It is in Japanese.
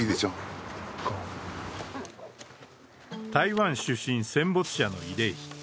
台湾出身戦没者の慰霊碑。